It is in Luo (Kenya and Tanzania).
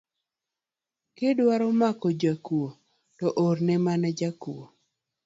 Kidwaro mako jakuo to orne mana jakuo